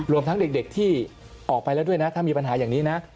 ทั้งเด็กที่ออกไปแล้วด้วยนะถ้ามีปัญหาอย่างนี้นะ